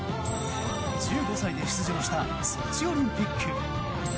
１５歳で出場したソチオリンピック。